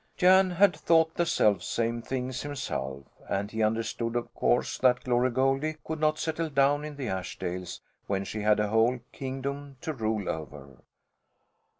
Jan had thought the selfsame things himself, and he understood of course that Glory Goldie could not settle down in the Ashdales when she had a whole kingdom to rule over.